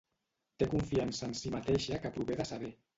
Té confiança en si mateixa que prové de saber